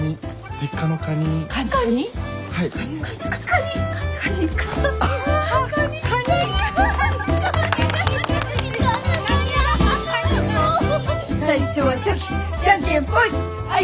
じゃんけんぽい！